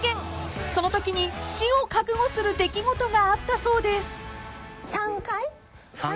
［そのときに死を覚悟する出来事があったそうです］